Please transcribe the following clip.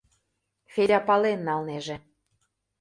— Федя пален налнеже.